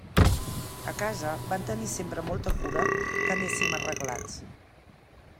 A casa van tenir sempre molta cura que anéssim arreglats.